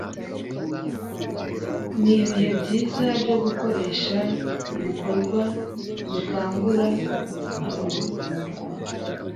Ni ibihe byiza byo gukoresha ibikorwa bikangura abahugurwa